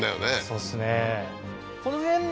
そうですね